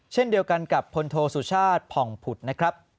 เช่นเดียวกันกับพลโทสุชาติผ่องผุดนะครับ